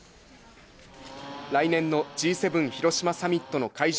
来年のＧ７広島サミットの会場